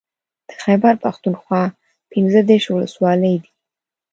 د خېبر پښتونخوا پنځه دېرش ولسوالۍ دي